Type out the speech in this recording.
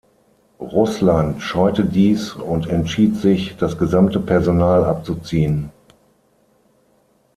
Russland scheute dies und entschied sich, das gesamte Personal abzuziehen.